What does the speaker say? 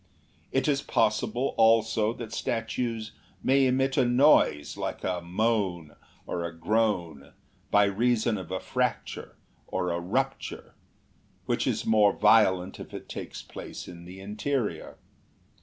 It is possible also that statues may emit a noise like a moan or a groan, by reason of a fracture or a rupture, which is more violent if it takes place in the interior.